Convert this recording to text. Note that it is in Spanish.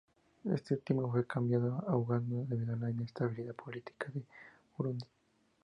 Este último fue cambiado a Uganda debido a la inestabilidad política de Burundi.